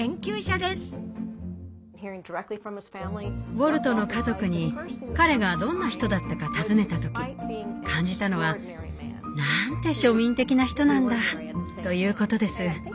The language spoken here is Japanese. ウォルトの家族に彼がどんな人だったか尋ねた時感じたのは「なんて庶民的な人なんだ」ということです。